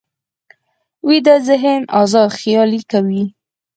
ویده ذهن ازاد خیالي کوي